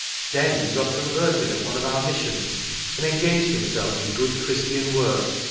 Then he got converted at one of our Mis sions, and engaged himself in good Christian work.